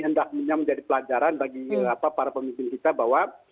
hendaknya menjadi pelajaran bagi para pemimpin kita bahwa